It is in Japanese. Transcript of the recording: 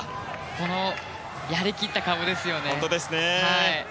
このやり切った顔ですね。